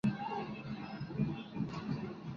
El distrito tiene escuelas en la Ciudad de Portland.